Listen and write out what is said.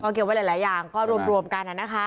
ก็เก็บไว้หลายอย่างก็รวมกันนั้นนะคะ